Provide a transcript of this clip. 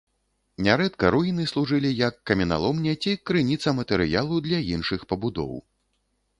Нярэдка руіны служылі як каменяломня ці крыніца матэрыялу для іншых пабудоў.